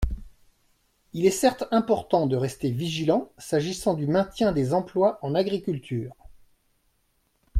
Il est certes important de rester vigilant s’agissant du maintien des emplois en agriculture.